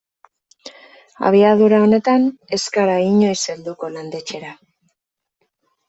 Abiadura honetan ez gara inoiz helduko landetxera.